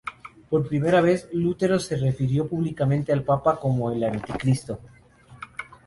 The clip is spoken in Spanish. Por primera vez, Lutero se refirió públicamente al Papa como el Anticristo.